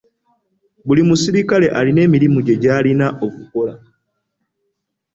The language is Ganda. Buli muserikale alina emirimu gye gy'alina okukola.